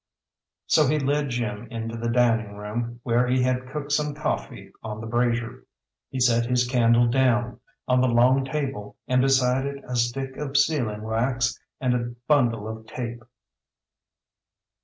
So he led Jim into the dining hall, where he had cooked some coffee on the brazier. He set his candle down on the long table, and beside it a stick of sealing wax and a bundle of tape.